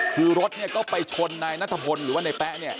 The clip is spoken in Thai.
คือรถเนี่ยก็ไปชนนายนัทพลหรือว่าในแป๊ะเนี่ย